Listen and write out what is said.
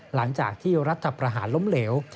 หลังจากที่รัฐประหารล้มเหลว